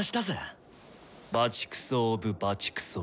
バチクソオブバチクソ。